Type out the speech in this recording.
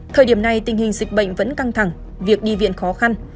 thời điểm này tình hình dịch bệnh vẫn căng thẳng việc đi viện khó khăn